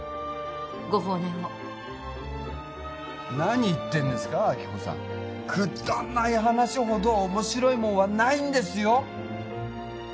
ご放念を何言ってんですか亜希子さんくだんない話ほど面白いもんはないんですよ！